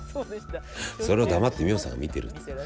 それを黙って美穂さんが見てる。